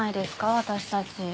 私たち。